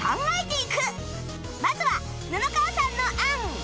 まずは布川さんの案